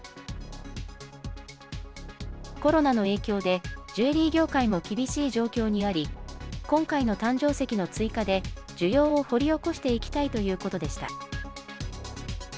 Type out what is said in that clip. コロナの影響で、ジュエリー業界も厳しい状況にあり、今回の誕生石の追加で、需要を掘り起こしていきたいということでした。